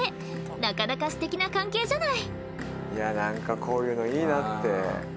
なかなかすてきな関係じゃない！